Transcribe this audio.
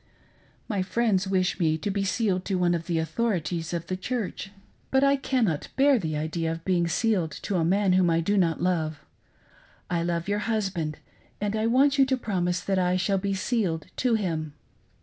My friends wish me to be sealed to one of the authorities of the Church, but I can A SOLEMN PROMISE, 443 not bear the idea of being sealed to a man whom I do not love. I love your husband, and I want you to promise that I shall be sealed to him.